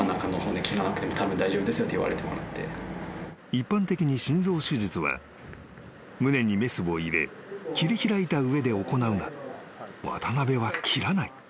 ［一般的に心臓手術は胸にメスを入れ切り開いた上で行うが渡邊は切らない］